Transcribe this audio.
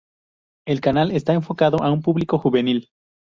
El canal está enfocado a un público juvenil.